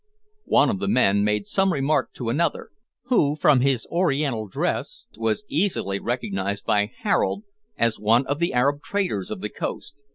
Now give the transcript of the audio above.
One of the men made some remark to another, who, from his Oriental dress, was easily recognised by Harold as one of the Arab traders of the coast.